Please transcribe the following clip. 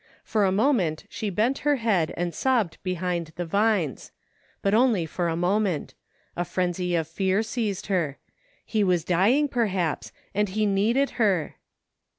For a moment she bent her head and sobbed behind the vines. But only for a moment A frenzy of fear seized her. He was dying perhaps, and he needed her